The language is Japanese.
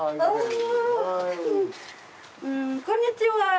こんにちは！